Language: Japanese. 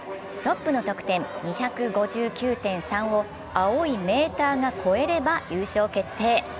トップの得点２５９．３を青いメーターが越えれば優勝決定。